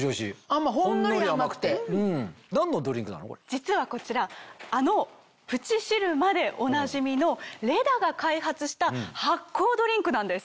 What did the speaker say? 実はこちらあのプチシルマでおなじみのレダが開発した発酵ドリンクなんです。